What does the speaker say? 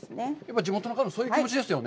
地元の方も、そういう気持ちですよね。